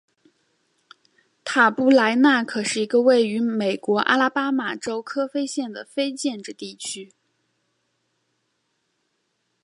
塔布莱纳可是一个位于美国阿拉巴马州科菲县的非建制地区。